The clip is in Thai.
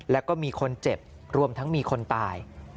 แล้วก็มีคนเจ็บรวมทั้งมีคนตาย